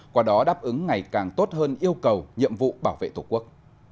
qua đó đáp ứng ngày càng tốt hơn yêu cầu nhiệm vụ bảo vệ tổ quốc